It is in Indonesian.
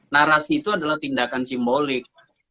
narasi itu adalah tindakan simbolik